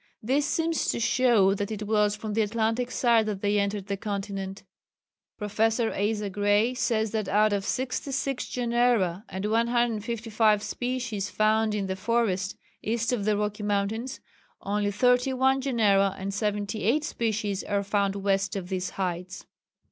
This seems to show that it was from the Atlantic side that they entered the continent. Professor Asa Gray says that out of 66 genera and 155 species found in the forest east of the Rocky Mountains, only 31 genera and 78 species are found west of these heights.